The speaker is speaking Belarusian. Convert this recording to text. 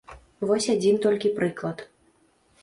Вось адзін толькі прыклад.